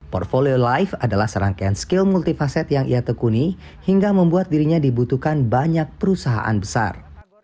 portfolio life adalah serangkaian skill multifasat yang ia tekuni hingga membuat dirinya dibutuhkan banyak perusahaan besar